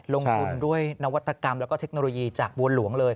ลงทุนด้วยนวัตกรรมแล้วก็เทคโนโลยีจากบัวหลวงเลย